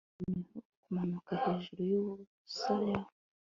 njyewe noneho kumanuka hejuru yubusa ya